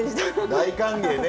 大歓迎ね